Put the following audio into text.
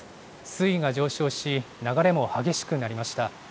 水位が上昇し、流れも激しくなりました。